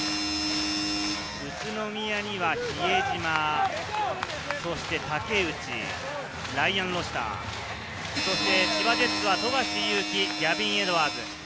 宇都宮には比江島、竹内、ライアン・ロシター。千葉ジェッツは富樫勇樹、ギャビン・エドワーズ。